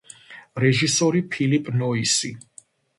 რეჟისორი ფილიპ ნოისი.